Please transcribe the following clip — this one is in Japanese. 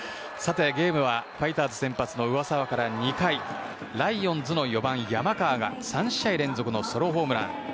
ゲームはファイターズ先発の上沢から２回、ライオンズの４番、山川が３試合連続のソロホームラン。